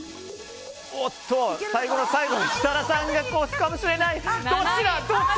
最後の最後に設楽さんが越すかもしれない。